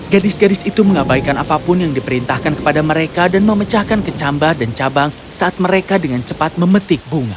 gadis gadis itu mengabaikan apapun yang diperintahkan kepada mereka dan memecahkan kecambah dan cabang saat mereka dengan cepat memetik bunga